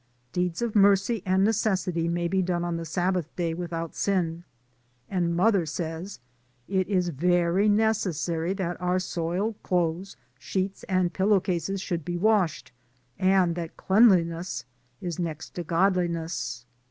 Deeds of mercy and necessity may be done on the Sabbath Day without sin, and mother says, "It is very necessary that our soiled clothes, sheets and pillow cases should be washed, and that cleanliness is next to god liness.'